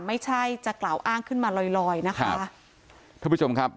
ไม่ใช่จะกล่าวอ้างขึ้นมาลอยลอยนะคะท่านผู้ชมครับ